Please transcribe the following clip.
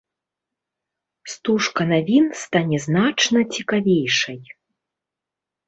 Стужка навін стане значна цікавейшай.